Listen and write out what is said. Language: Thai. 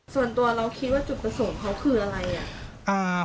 ส่วนตัวเราคิดว่าจุดประสงค์เขาคืออะไรอ่ะ